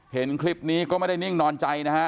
เห็นคลิปนี้ก็ไม่ได้นิ่งนอนใจนะฮะ